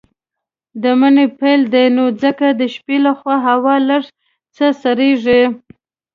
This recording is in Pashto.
د مني پيل دی نو ځکه د شپې لخوا هوا لږ څه سړييږي.